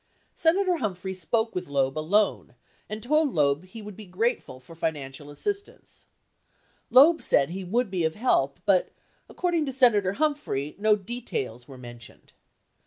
Senator Humphrey spoke with Loeb alone and told Loeb that he would be grateful for financial assistance. Loeb gmU 1 h' would be of help but, according to Senator Humphrey, no de tails were mentioned.